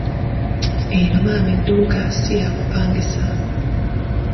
Eno maama edduuka si ya kupangisa.